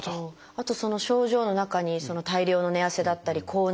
あとその症状の中に大量の寝汗だったり高熱。